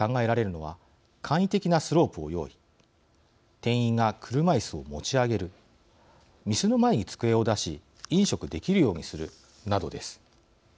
店員が車いすを持ち上げる店の前に机を出し飲食できるようにするなどです。